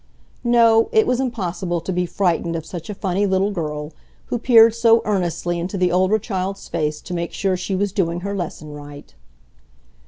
No, it was impossible to be frightened of such a funny little girl, who peered so earnestly into the older child's face to make sure she was doing her lesson right.